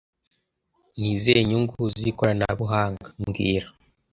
Ni izihe nyungu z'ikoranabuhanga mbwira